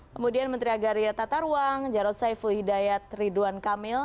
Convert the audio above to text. kemudian menteri agaria tataruang jaros seifu hidayat ridwan kamil